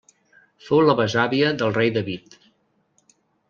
Fou la besàvia del Rei David.